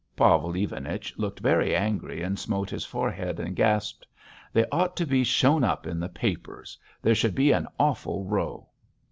Pavel Ivanich looked very angry, and smote his forehead and gasped: "They ought to be shown up in the papers. There would be an awful row."